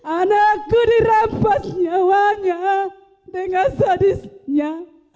anakku dirampas nyawanya dengan sadisnya